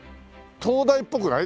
東大っぽくない？